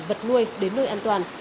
vật nuôi đến nơi an toàn